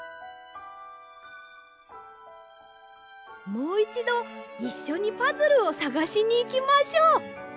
もういちどいっしょにパズルをさがしにいきましょう！